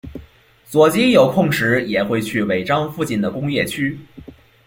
佐吉有空时也会去尾张附近的工业区。